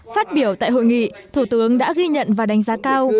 phát biểu tại hội nghị thủ tướng đã ghi nhận và đánh giá cao